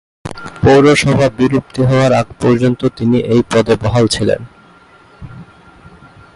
পৌরসভা বিলুপ্তি হওয়ার আগ পর্যন্ত তিনি এই পদে বহাল ছিলেন।